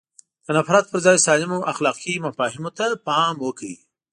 د نفرت پر ځای سالمو اخلاقي مفاهیمو ته پام وکړي.